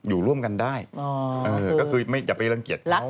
อยู่ร่วมกันได้ก็คือไม่อย่าไปรังเกียจเรา